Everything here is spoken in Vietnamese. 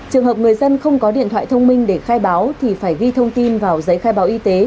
trường hợp người dân không có điện thoại thông minh để khai báo thì phải ghi thông tin vào giấy khai báo y tế